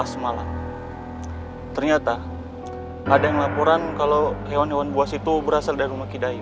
saat polisi sudah pergi bakar rumah itu